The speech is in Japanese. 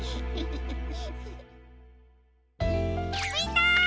みんな！